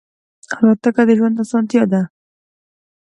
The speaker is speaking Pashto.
الوتکه د ژوند آسانتیا ده.